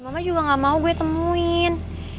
mama juga gak mau gue temuin